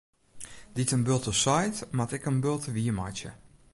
Dy't in bulte seit, moat ek in bulte wiermeitsje.